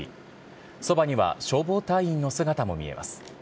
そばには消防隊員の姿も見えます。